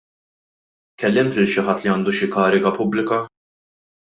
Kellimt lil xi ħadd li għandu xi kariga pubblika?